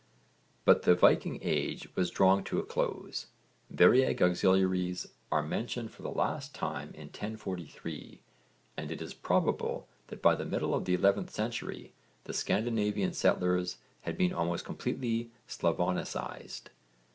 But the Viking age was drawing to a close. Variag auxiliaries are mentioned for the last time in 1043 and it is probable that by the middle of the 11th century the Scandinavian settlers had been almost completely Slavonicised.